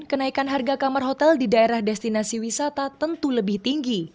kenaikan harga kamar hotel di daerah destinasi wisata tentu lebih tinggi